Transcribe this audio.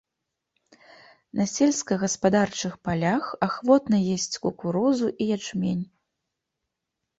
На сельскагаспадарчых палях ахвотна есць кукурузу і ячмень.